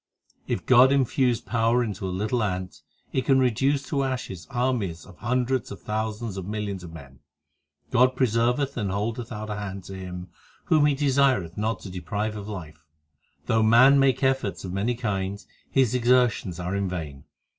5 // God infuse power into a little ant, It can reduce to ashes armies of hundreds of thousands and millions of men. God preserveth and holdeth out a hand to him Whom He desireth not to deprive of life. 250 THE SIKH RELIGION Though man make efforts of many kinds, His exertions are in vain.